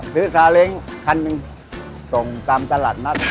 ซื้อซาเล้ง๑คันส่งตามตลาดมา